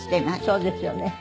そうですよね。